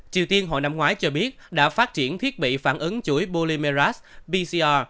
triều tiên hồi năm ngoái cho biết đã phát triển thiết bị phản ứng chuỗi bolimerat pcr